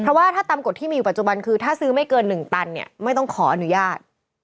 เพราะว่าถ้าตามกฎที่มีอยู่ปัจจุบันคือถ้าซื้อไม่เกิน๑ตันเนี่ยไม่ต้องขออนุญาต